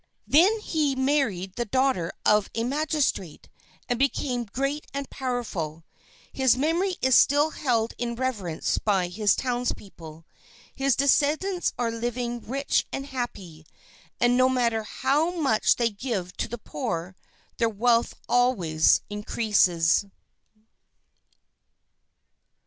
Then he married the daughter of a magistrate, and became great and powerful. His memory is still held in reverence by his townspeople. His descendants are living rich and happy; and no matter how much they give to the poor, their wealth always increases.